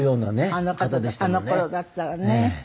あの頃だったらね。